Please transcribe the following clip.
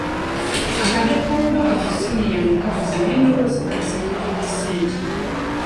Akade k'obubaka ku ssimu yange kavuze ne ndowooza bansindikidde ssente.